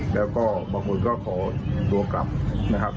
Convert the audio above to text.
แล้วก็บางคนก็ขอตัวกลับนะครับ